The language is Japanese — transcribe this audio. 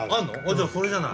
じゃあそれじゃない？